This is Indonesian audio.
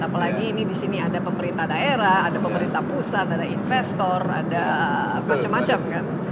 apalagi ini di sini ada pemerintah daerah ada pemerintah pusat ada investor ada macam macam kan